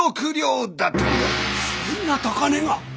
そんな高値が！